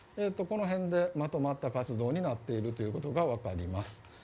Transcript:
この辺でまとまった活動になっていることが分かります。